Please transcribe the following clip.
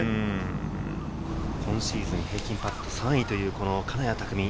今シーズン、平均パット３位という金谷拓実。